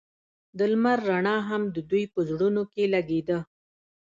د لمر رڼا هم د دوی په زړونو کې ځلېده.